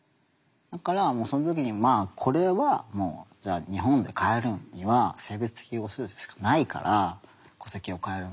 だからもうその時にこれはもうじゃあ日本で変えるには性別適合手術しかないから戸籍を変えるのは。